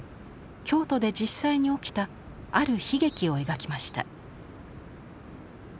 京都で実際に起きたある悲劇を描きました。